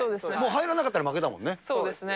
もう入らなかったら負けですもんね。